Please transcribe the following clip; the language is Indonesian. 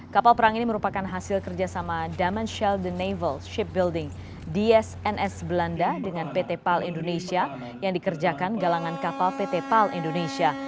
kapal perang ini merupakan hasil kerjasama damanschel de nevel shipbuilding dsns belanda dengan pt pal indonesia yang dikerjakan galangan kapal pt pal indonesia